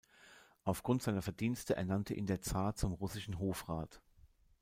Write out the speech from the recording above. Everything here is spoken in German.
Auf Grund seiner Verdienste ernannte ihn der Zar zum russischen Hofrat.